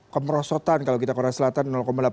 kemerosotan kalau kita korea selatan delapan puluh